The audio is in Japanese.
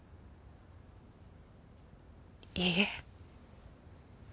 いいえ。